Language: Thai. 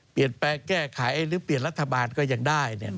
เปลี่ยนแปลแก้ไขหรือเปลี่ยนรัฐบาลก็ยังได้